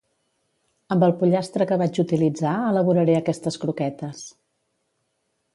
Amb el pollastre que vaig utilitzar elaboraré aquestes croquetes.